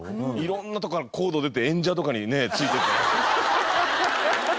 色んなとこからコード出て演者とかにねついてて。